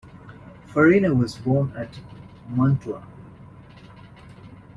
Farina was born at Mantua.